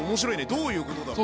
どういうことだろう？